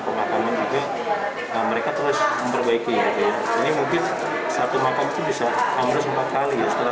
pemakaman juga mereka terus memperbaiki ini mungkin satu makam itu bisa ambrus empat kali setelah